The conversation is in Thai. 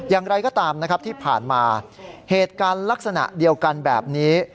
อย่างไรก็ตามนะครับที่ผ่านมาเหตุการณ์ลักษณะเดียวกันแบบนี้